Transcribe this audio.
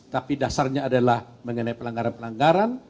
tapi dasarnya adalah mengenai pelanggaran pelanggaran